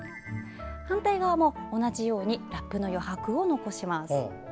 反対側も同じようにラップの余白を残します。